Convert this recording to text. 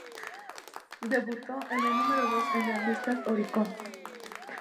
Debutó en el número dos en las listas Oricon.